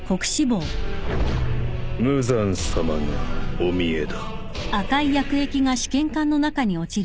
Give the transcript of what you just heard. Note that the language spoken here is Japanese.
無惨さまがおみえだ。